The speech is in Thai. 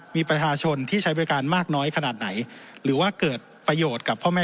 มีประชาชนที่ใช้บริการมากน้อยขนาดไหนหรือว่าเกิดประโยชน์กับพ่อแม่